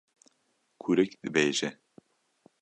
Kurik dibêje: